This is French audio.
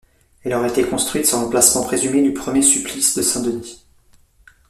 Elle aurait été construite sur l'emplacement présumé du premier supplice de saint Denis.